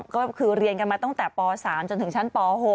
ก็คือเรียนกันมาตั้งแต่ป๓จนถึงชั้นป๖